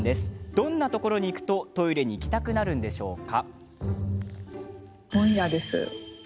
どんなところに行くとトイレに行きたくなるんでしょうか？